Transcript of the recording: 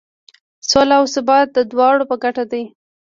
سوله او ثبات د دواړو په ګټه دی.